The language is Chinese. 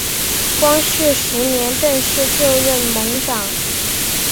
光绪十年正式就任盟长。